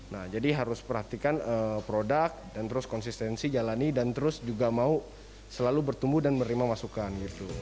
nah jadi harus perhatikan produk dan terus konsistensi jalani dan terus juga mau selalu bertumbuh dan menerima masukan gitu